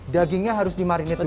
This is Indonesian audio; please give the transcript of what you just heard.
dagingnya harus dimarinate dulu